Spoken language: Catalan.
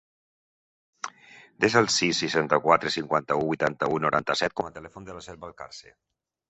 Desa el sis, seixanta-quatre, cinquanta-u, vuitanta-u, noranta-set com a telèfon de la Cel Valcarce.